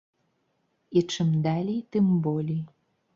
І чым далей, тым болей.